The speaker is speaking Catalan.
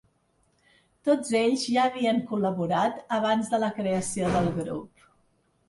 Tots ells ja havien col·laborat abans de la creació del grup.